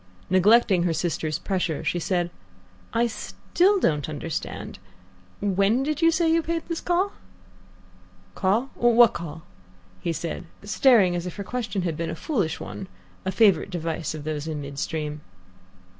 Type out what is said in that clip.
Neglecting her sister's pressure, she said, "I still don't understand. When did you say you paid this call?" "Call? What call?" said he, staring as if her question had been a foolish one, a favourite device of those in mid stream.